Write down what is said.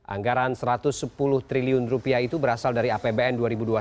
anggaran rp satu ratus sepuluh triliun itu berasal dari apbn dua ribu dua puluh satu